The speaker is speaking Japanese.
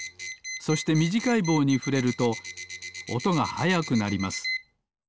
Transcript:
そしてみじかいぼうにふれるとおとがはやくなります。